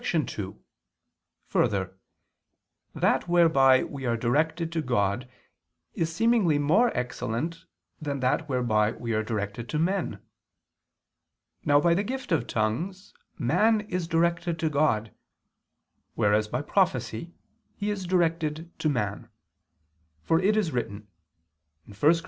2: Further, that whereby we are directed to God is seemingly more excellent than that whereby we are directed to men. Now, by the gift of tongues, man is directed to God, whereas by prophecy he is directed to man; for it is written (1 Cor.